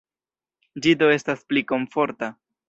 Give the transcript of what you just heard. Ĝi do estas pli komforta.